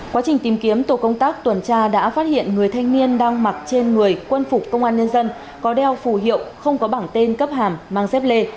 quá trình tìm kiếm tổ công tác tuần tra đã phát hiện người thanh niên đang mặc trên người quân phục công an nhân dân có đeo phù hiệu không có bảng tên cấp hàm mang xếp lê